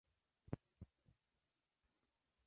Tenía por cabecera a la ciudad de Marinilla.